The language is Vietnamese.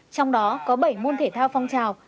trong đó có bảy môn thể thao phong trào